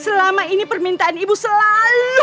selama ini permintaan ibu selalu